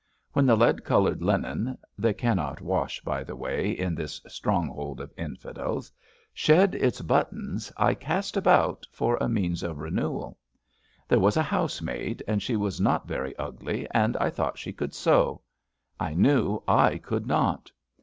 When the lead coloured linen (they cannot wash, by the way, in this strong hold of infidels) shed its buttons I cast about for a means of renewal. There was a housemaid, and she was not very ugly, and I thought she could sew. I knew I could not.